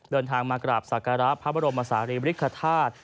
เดินทางมากราบศักระพระบรมศาลีบริคฐาตุ